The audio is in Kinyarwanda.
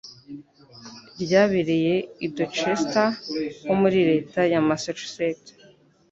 ryabereye i Dorchester ho muri Leta ya Massachusetts,